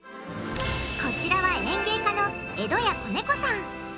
こちらは演芸家の江戸家小猫さん。